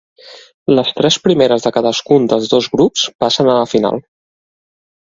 Les tres primeres de cadascun dels dos grups passen a la final.